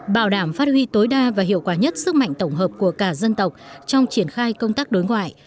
bảo đảm phát huy tối đa và hiệu quả nhất sức mạnh tổng hợp của cả dân tộc trong triển khai công tác đối ngoại